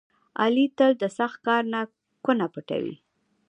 علي تل له سخت کار نه کونه پټوي.